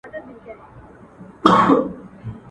اغزي مي له تڼاکو رباتونه تښتوي.